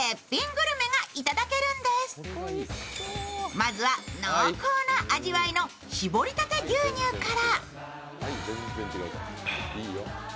まずは、濃厚な味わいの搾りたて牛乳から。